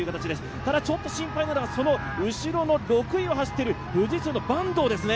ただちょっと心配なのがその後ろの６位を走っている富士通の坂東ですね。